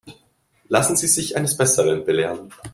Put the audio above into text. Lassen Sie sich eines Besseren belehren.